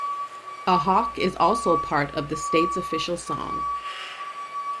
A hawk is also part of the state's official song.